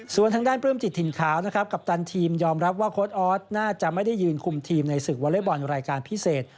ส่วนทางด้านปลื้มจิตถิ่นขาวนะครับกัปตันทีมยอมรับว่าโค้ดออสน่าจะไม่ได้ยืนคุมทีมในศึกวอเล็กบอลรายการพิเศษ